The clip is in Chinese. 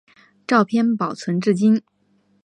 照片保存至今。